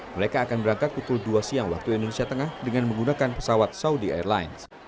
mereka akan berangkat pukul dua siang waktu indonesia tengah dengan menggunakan pesawat saudi airlines